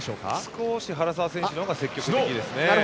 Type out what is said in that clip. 少し原沢選手の方が積極的ですね。